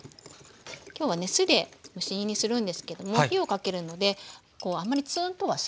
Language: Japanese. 今日はね酢で蒸し煮にするんですけども火をかけるのであんまりツンとはしないんですね。